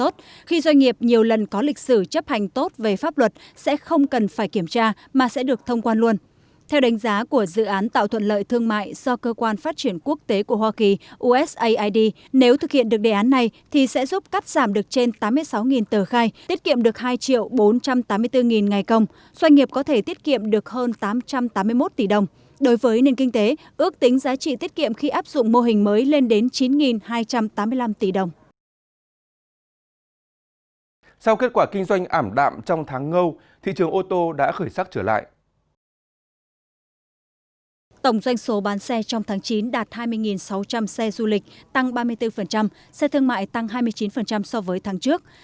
tổng doanh số bán xe trong tháng chín đạt hai mươi sáu trăm linh xe du lịch tăng ba mươi bốn xe thương mại tăng hai mươi chín so với tháng trước